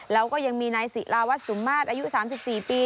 แล้วก็ยังมีนายศิลาวัตรสุมมาตรอายุ๓๔ปี